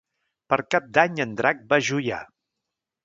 Per Cap d'Any en Drac va a Juià.